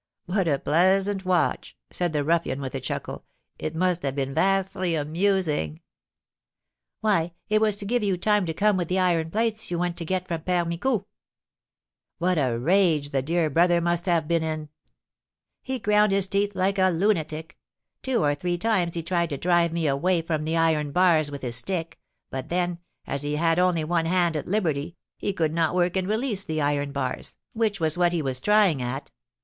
"What a pleasant watch!" said the ruffian, with a chuckle; "it must have been vastly amusing!" "Why, it was to give you time to come with the iron plates you went to get from Père Micou." "What a rage the dear brother must have been in!" "He ground his teeth like a lunatic. Two or three times he tried to drive me away from the iron bars with his stick, but then, as he had only one hand at liberty, he could not work and release the iron bars, which was what he was trying at."